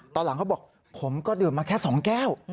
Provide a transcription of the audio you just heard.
ตอนหลังเขาบอกผมก็ดื่มมาแค่๒แก้ว